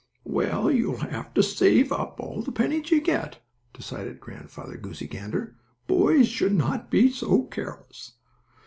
"You will have to save up all the pennies you get," decided Grandfather Goosey Gander. "Boys should not be so careless."